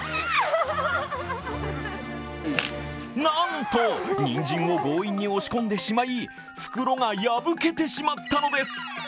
なんと、にんじんを強引に押し込んでしまい袋が破けてしまったのです。